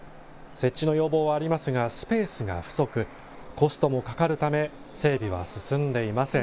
設置の要望はありますがスペースが不足コストもかかるため整備は進んでいません。